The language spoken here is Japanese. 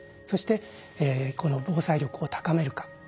そしてこの防災力を高めるか。